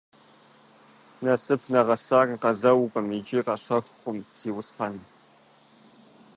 Насып нэгъэсар къазэукъым икӀи къащэхукъым, зиусхьэн.